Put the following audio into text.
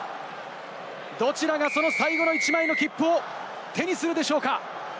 どちらがその最後の１枚の切符を手にするでしょうか？